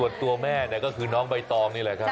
ตัวแม่ก็คือน้องใบตองนี่แหละครับ